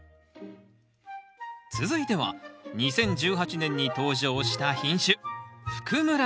続いては２０１８年に登場した品種